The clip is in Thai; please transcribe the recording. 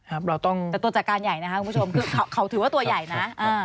เราต้องแต่ตัวจัดการใหญ่นะคะคุณผู้ชมคือเขาถือว่าตัวใหญ่นะ